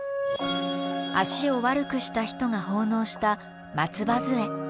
足を悪くした人が奉納した松葉づえ。